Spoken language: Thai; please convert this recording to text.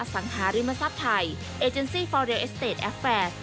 สังหาริมทรัพย์ไทยเอเจนซี่ฟอเรลเอสเตจแอฟแฟส